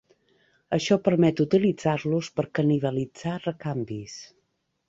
Això permet utilitzar-los per canibalitzar recanvis.